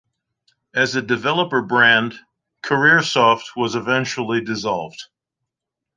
As a developer brand, Career Soft was eventually dissolved.